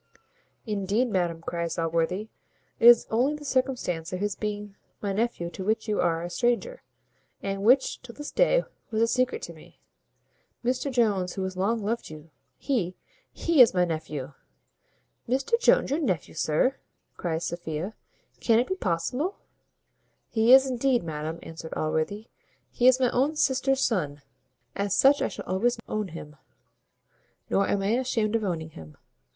"Indeed, madam," cries Allworthy, "it is only the circumstance of his being my nephew to which you are a stranger, and which, till this day, was a secret to me. Mr Jones, who has long loved you, he! he is my nephew!" "Mr Jones your nephew, sir!" cries Sophia, "can it be possible?" "He is, indeed, madam," answered Allworthy; "he is my own sister's son as such I shall always own him; nor am I ashamed of owning him.